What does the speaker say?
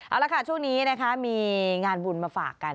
เอาละค่ะช่วงนี้นะคะมีงานบุญมาฝากกัน